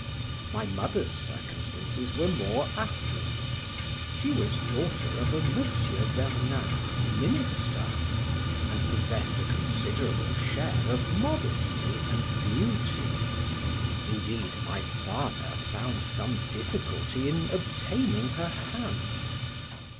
My mother's circumstances were more affluent; she was daughter of a Mons. Bernard, minister, and possessed a considerable share of modesty and beauty; indeed, my father found some difficulty in obtaining her hand.